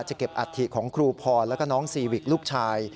เก็บอัฐิของครูพรแล้วก็น้องซีวิกลูกชาย